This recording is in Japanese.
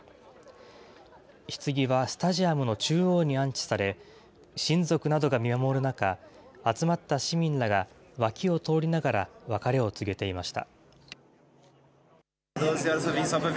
ひつぎはスタジアムの中央に安置され、親族などが見守る中、集まった市民らが、脇を通りながら別れを告げていました。